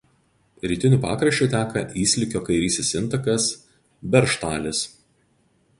Rytiniu pakraščiu teka Yslykio kairysis intakas Beržtalis.